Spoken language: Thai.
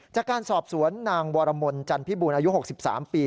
จากการสอบสวนนางวรมนจันพิบูรณอายุ๖๓ปี